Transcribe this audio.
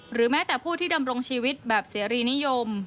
แม้แต่ผู้ที่ดำรงชีวิตแบบเสรีนิยม